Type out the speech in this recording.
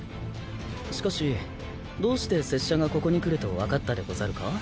しかしどうして拙者がここに来ると分かったでござるか。